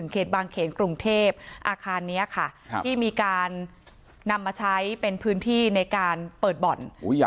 บางเขนกรุงเทพอาคารนี้ค่ะที่มีการนำมาใช้เป็นพื้นที่ในการเปิดบ่อน